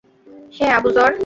হে Abu যর!